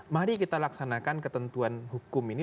mari kita laksanakan ketentuan hukum ini